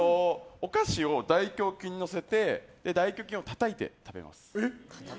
お菓子を大胸筋に乗せて大胸筋をたたいて食べます。